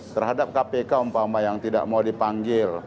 terhadap kpk umpama yang tidak mau dipanggil